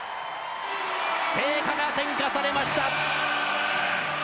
聖火が点火されました。